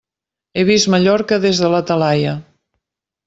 He vist Mallorca des de la Talaia!